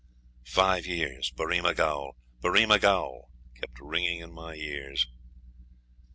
'Five years, Berrima Gaol! Berrima Gaol!' kept ringing in my ears.